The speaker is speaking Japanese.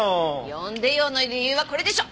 「呼んでよ」の理由はこれでしょ。